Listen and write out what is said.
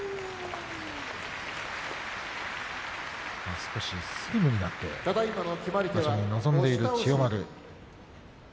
少しスリムになって臨んでいる千代丸。